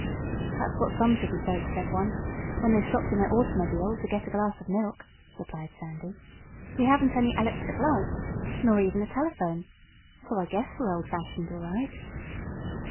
"That's what some city folks said once, when they stopped in their automobile to get a glass of milk," replied Sandy. "We haven't any electric lights, nor even a telephone. So I guess we're old fashioned, all right."